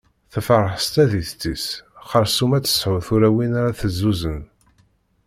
Tefreḥ s tadist-is, xerṣum ad tesɛu tura win ara tezzuzen.